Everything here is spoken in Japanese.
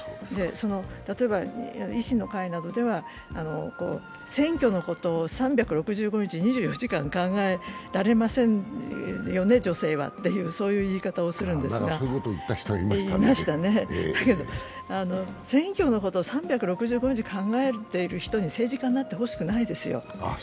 例えば維新の会などでは、選挙のことを３６５日２４時間、考えられませんよね、女性はっていう言い方をするんですが、だけど、選挙のことを３６５日考えている人に政治家になってほしくないですよ。